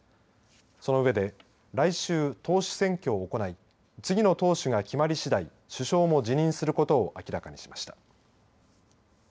その上で来週、党首選挙を行い次の党首が決まりしだい首相も辞任することを明らかにしました。